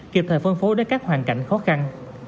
kịp thời phân phối đến các hoàn cảnh khó khăn